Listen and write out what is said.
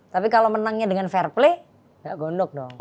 tapi kalau menangnya dengan fair play nggak gondok dong